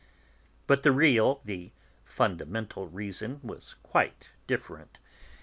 But the real, the fundamental reason was quite different.